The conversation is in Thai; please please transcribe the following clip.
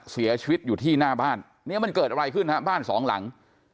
เสียชีวิตอยู่ที่หน้าบ้านเนี่ยมันเกิดอะไรขึ้นฮะบ้านสองหลัง